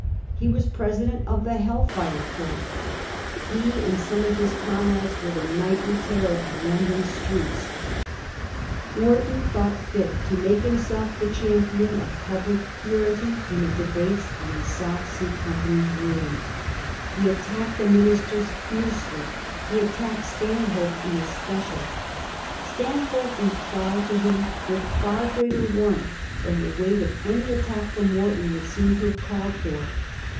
He was president of the Hell fire Club ; he and some of his comrades were the nightly terror of London streets. Wharton thought fit to make himself the champion of public purity in the debates on the South Sea Digiti zed by Google 1721 DEATH OF STANHOPE. 261 Company's ruin. He attacked the Ministers fiercely ; he attacked Stanhope in especial. Stanhope replied to him with far greater warmth than the weight of any attack fi om Wharton would seem to have called for.